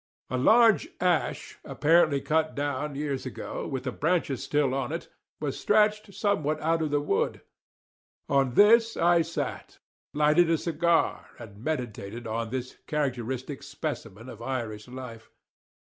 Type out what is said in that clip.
A large ash, apparently cut down years ago, with the branches still on it, was stretched somewhat out of the wood: on this I sat, lighted a cigar, and meditated on this characteristic specimen of Irish life.